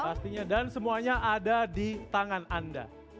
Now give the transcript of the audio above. pastinya dan semuanya ada di tangan anda